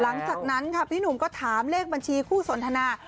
หลังจากนั้นค่ะพี่หนุ่มก็ถามเลขบัญชีคู่สนทนา